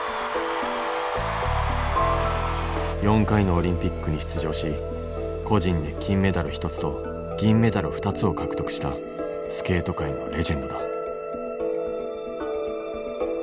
４回のオリンピックに出場し個人で金メダル１つと銀メダル２つを獲得したスケート界のレジェンドだ。